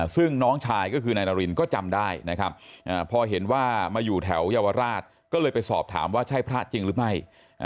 ซึ่งน้องชายก็คือนายนารินก็จำได้นะครับพอเห็นว่ามาอยู่แถวเยาวราชก็เลยไปสอบถามว่าใช่พระจริงหรือไม่